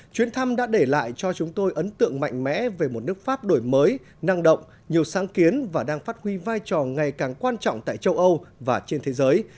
chuyến thăm đã để lại cho chúng tôi ấn tượng mạnh mẽ về một nước pháp đổi mới năng động nhiều sáng kiến và đang phát huy vai trò ngày càng quan trọng tại châu âu và trên thế giới